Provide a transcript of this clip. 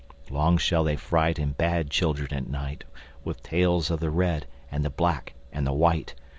Long shall they frighten bad children at night With tales of the Red and the Black and the White.